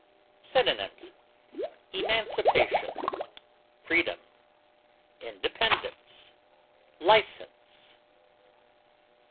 Synonyms: emancipation, freedom, independence, license.